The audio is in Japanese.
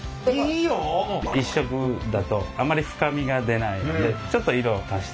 １色だとあまり深みが出ないのでちょっと色を足して。